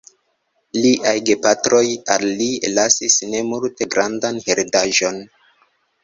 Liaj gepatroj al li lasis ne multe grandan heredaĵon.